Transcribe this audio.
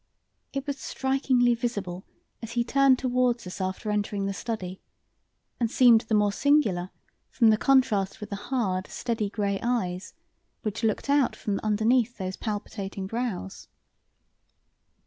It was strikingly visible as he turned towards us after entering the study, and seemed the more singular from the contrast with the hard, steady, grey eyes which looked out from underneath those palpitating brows.